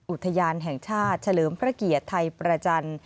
อุทยานแห่งชาติเฉลิมพระเกียรติไทยประจันทร์